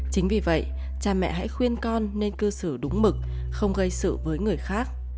chính vì vậy cha mẹ hãy khuyên con nên cư xử đúng mực không gây sự với người khác